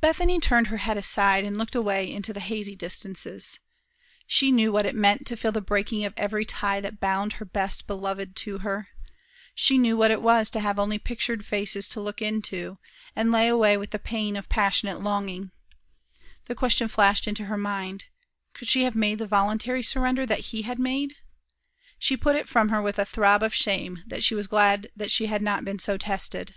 Bethany turned her head aside, and looked away into the hazy distances. She knew what it meant to feel the breaking of every tie that bound her best beloved to her. She knew what it was to have only pictured faces to look into, and lay away with the pain of passionate longing. The question flashed into her mind, could she have made the voluntary surrender that he had made? She put it from her with a throb of shame that she was glad that she had not been so tested.